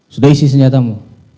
sudah isi senjatamu